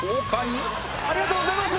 ありがとうございます！